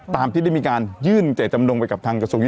ตามที่ได้มีการยื่นจำนงไปกับ